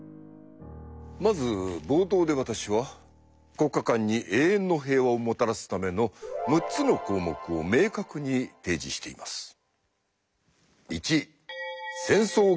まず冒頭で私は国家間に永遠の平和をもたらすための６つの項目を明確に提示しています。